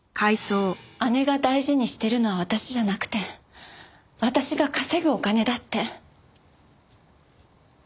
姉が大事にしてるのは私じゃなくて私が稼ぐお金だって。